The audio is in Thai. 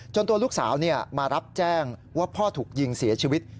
ตัวลูกสาวมารับแจ้งว่าพ่อถูกยิงเสียชีวิต